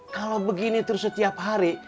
kalau begini terus setiap hari